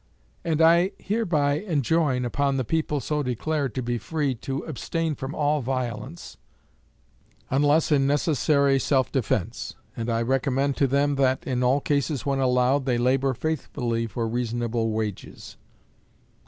And I hereby enjoin upon the people so declared to be free to abstain from all violence, unless in necessary self defense; and I recommend to them that, in all cases when allowed, they labor faithfully for reasonable wages.